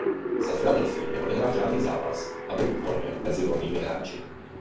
Za Philadelphii neodehrál žádný zápas a byl uvolněn mezi volnými hráči.